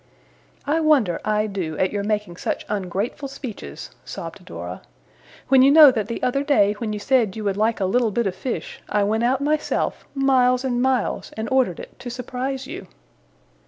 'I wonder, I do, at your making such ungrateful speeches,' sobbed Dora. 'When you know that the other day, when you said you would like a little bit of fish, I went out myself, miles and miles, and ordered it, to surprise you.